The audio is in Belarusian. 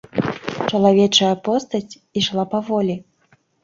Чалавечая постаць ішла паволі.